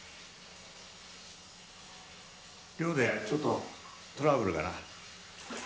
寮でちょっとトラブルがな